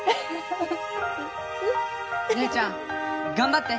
うん姉ちゃん頑張って！